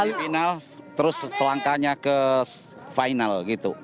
dari final terus selangkanya ke final gitu